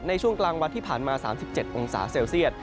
ในช่วงกลางวันที่ผ่านมา๓๗องศาเซลเซียต